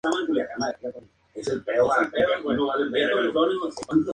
Finalizado este período regresó al Departamento de Física de la Universidad de Columbia.